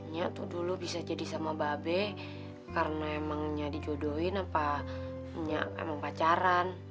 nyiak tuh dulu bisa jadi sama babi karena emangnya dijodohin apa nyiak emang pacaran